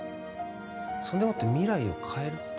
そんでもって未来を変えるって？